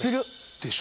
でしょ？